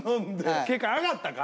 結果上がったか？